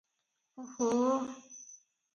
ଓହୋ!